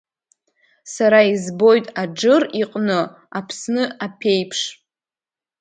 Сара избоит Аџыр иҟны Аԥсны аԥеиԥш.